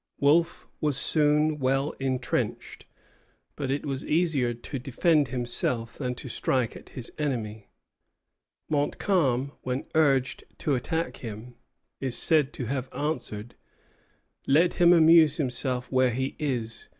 Wolfe was soon well intrenched; but it was easier to defend himself than to strike at his enemy. Montcalm, when urged to attack him, is said to have answered: "Let him amuse himself where he is.